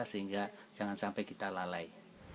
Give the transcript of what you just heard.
sehingga jangan sampai kita lalai